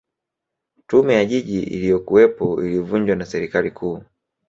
tume ya jiji iliyokuwepo ilivunjwa na serikali kuu